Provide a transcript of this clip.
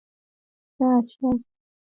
شه شه